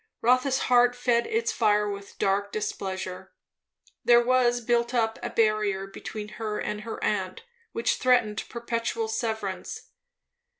Rotha's heart fed its fire with dark displeasure. There was built up a barrier between her and her aunt, which threatened perpetual severance.